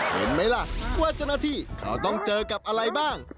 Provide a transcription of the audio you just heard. เห็นไหมล่ะว่าเจ้าหน้าที่เขาต้องเจอกับอะไรบ้าง